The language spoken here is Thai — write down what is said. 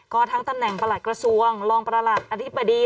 ก็ทั้งตำแหน่งประหลัดกระทรวงรองประหลัดอธิบดี